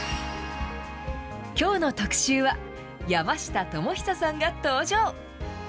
きょうの特集は、山下智久さんが登場。